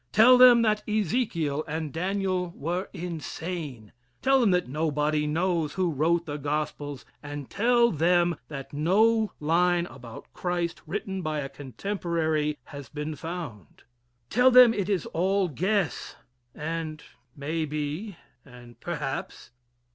Tell them that Ezekiel and Daniel were insane. Tell them that nobody knows who wrote the gospels, and tell them that no line about Christ written by a contemporary has been found. Tell them it is all guess and may be, and perhaps.